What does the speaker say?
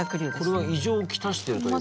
これは異常を来してるということか？